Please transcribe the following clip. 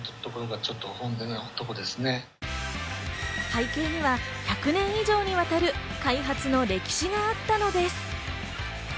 背景には１００年以上にわたる開発の歴史があったのです。